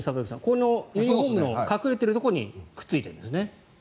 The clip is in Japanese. このユニホームの隠れているところにくっついているんですね。